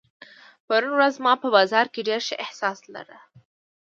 پرون ورځ ما په بازار کې ډېر ښه احساس لارۀ.